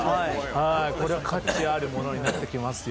これは価値あるものになってきますよ。